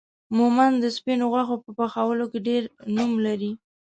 مومند دا سپينو غوښو په پخولو کې ډير نوم لري